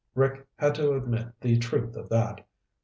Rick had to admit the truth of that.